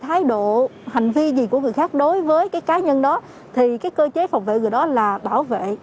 thái độ hành vi gì của người khác đối với cái cá nhân đó thì cái cơ chế phòng vệ người đó là bảo vệ